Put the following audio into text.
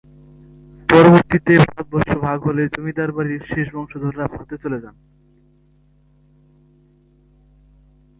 পরবর্তীতে ভারতবর্ষ ভাগ হলে জমিদার বাড়ির শেষ বংশধররা ভারতে চলে যান।